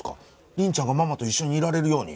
凛ちゃんがママと一緒にいられるように。